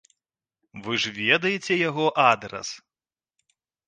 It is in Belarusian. Вы ж ведаеце яго адрас?